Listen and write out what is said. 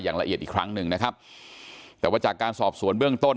อย่างละเอียดอีกครั้งหนึ่งนะครับแต่ว่าจากการสอบสวนเบื้องต้น